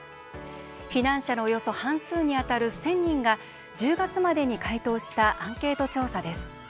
避難者のおよそ半数に当たる１，０００人が１０月までに回答したアンケート調査です。